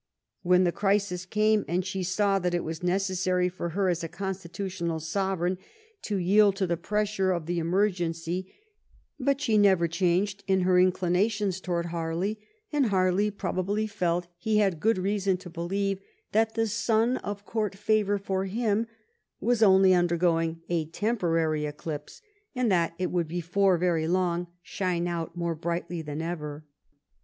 When the crisis came, and she saw that it was necessary for her as a constitutional sovereign, she yielded to the pressure of the emergency; but she never changed in her inclinations towards Harley, and Harley probably felt he had good reasoji to believe that the sun of court favor for him was only under going a temporary eclipse, and that it would, before very long, shine out more brightly than ever.